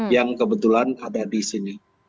yang kebetulan ada di sini